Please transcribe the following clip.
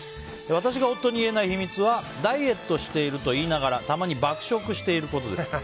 私が夫に言えない秘密はダイエットしていると言いながらたまに爆食していることです。